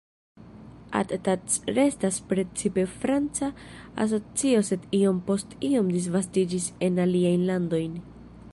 Attac restas precipe franca asocio sed iom post iom disvastiĝis en aliajn landojn.